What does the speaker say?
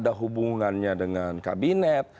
ada hubungannya dengan kabinet